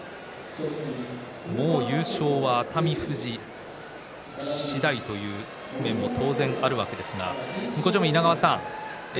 もう優勝は熱海富士次第というところも当然あるわけですが向正面の稲川さん